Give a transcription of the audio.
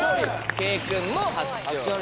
圭君も初勝利。